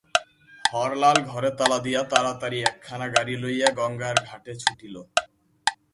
হরলাল ঘরে তালা দিয়া তাড়াতাড়ি একখানা গাড়ি লইয়া গঙ্গার ঘাটে ছুটিল।